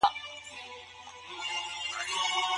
آیا ميرمن د خاوند له مرګ وروسته اختيار درلود؟